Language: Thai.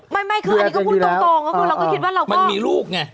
ไม่คืออันนี้ก็พูดตรงมันมีลูกไง